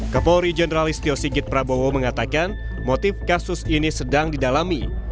kepolri jenderalist tio sigit prabowo mengatakan motif kasus ini sedang didalami